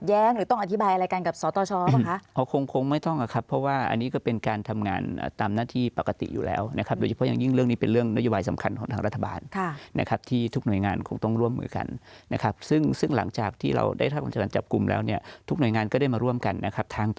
หรือต้องอธิบายอะไรกันกับสตชอ๋อคงคงไม่ต้องอะครับเพราะว่าอันนี้ก็เป็นการทำงานตามหน้าที่ปกติอยู่แล้วนะครับโดยเฉพาะอย่างยิ่งเรื่องนี้เป็นเรื่องนโยบายสำคัญของทางรัฐบาลนะครับที่ทุกหน่วยงานคงต้องร่วมมือกันนะครับซึ่งซึ่งหลังจากที่เราได้ทำการจับกลุ่มแล้วเนี่ยทุกหน่วยงานก็ได้มาร่วมกันนะครับทางก